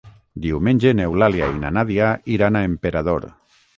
Diumenge n'Eulàlia i na Nàdia iran a Emperador.